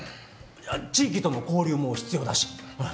あっ地域との交流も必要だしうん。